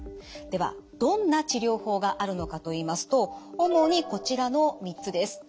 ではどんな治療法があるのかといいますと主にこちらの３つです。